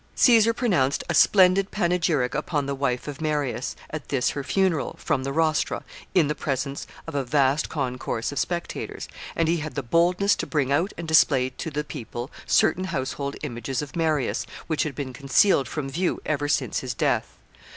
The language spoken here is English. Caesar pronounced a splendid panegyric upon the wife of Marius, at this her funeral, from the Rostra, in the presence of a vast concourse of spectators, and he had the boldness to bring out and display to the people certain household images of Marius, which had been concealed from view ever since his death.